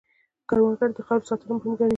کروندګر د خاورې ساتنه مهم ګڼي